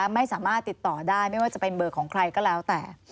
ไม่สามารถติดต่อได้ไม่ว่าจะเป็นเบอร์ของใครก็แล้วแต่